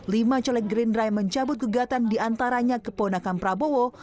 lima caleg gerindra yang mencabut gugatan diantaranya keponakan prabowo